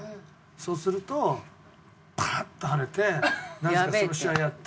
そうするとパーッと晴れてなぜかその試合やって。